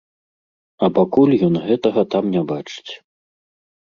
А пакуль ён гэтага там не бачыць.